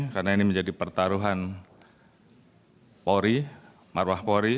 karena ini menjadi pertaruhan polri marwah polri